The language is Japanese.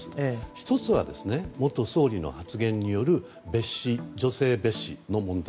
１つは、元総理の発言による女性蔑視の問題。